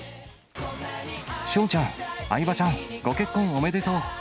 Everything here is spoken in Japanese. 翔ちゃん、相葉ちゃん、ご結婚おめでとう！